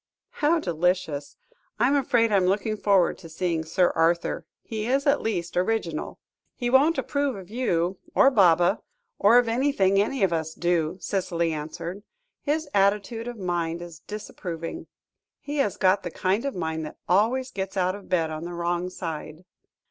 "How delicious! I am afraid I am looking forward to seeing Sir Arthur; he is at least original." "He won't approve of you, or Baba, or of anything any of us do," Cicely answered; "his attitude of mind is disapproving. He has got the kind of mind that always gets out of bed on the wrong side."